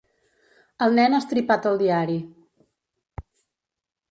El nen ha estripat el diari.